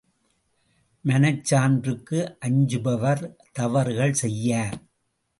மனச்சான்றுக்கு அஞ்சுபவர் தவறுகள் செய்யார்.